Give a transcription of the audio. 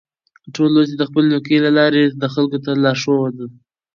تولستوی د خپلو لیکنو له لارې خلکو ته لاره وښوده.